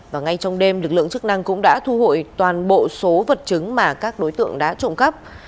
và ngay trong đêm lực lượng chức năng cũng đã thu hồi toàn bộ số vật chứng mà các đối tượng đã trộm cắp